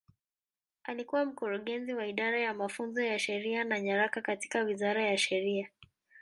Alikuwa Mkurugenzi wa Idara ya Mafunzo ya Sheria na Nyaraka katika Wizara ya Sheria.